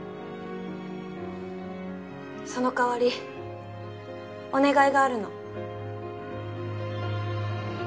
その代わりお願いがあるの。